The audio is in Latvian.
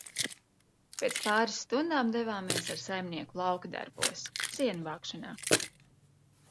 "Pēc pāris stundām devāmies ar saimnieku lauku "darbos", siena vākšanā."